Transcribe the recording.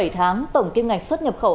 bảy tháng tổng kiếm ngạch xuất nhập khẩu